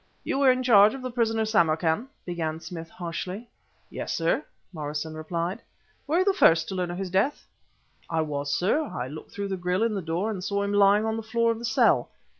"You were in charge of the prisoner Samarkan?" began Smith harshly. "Yes, sir," Morrison replied. "Were you the first to learn of his death?" "I was, sir. I looked through the grille in the door and saw him lying on the floor of the cell."